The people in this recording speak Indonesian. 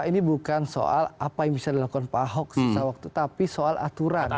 ini bukan soal apa yang bisa dilakukan pak ahok sisa waktu tapi soal aturan